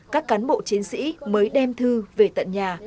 các cán bộ chiến sĩ mới đem thư về tận nhà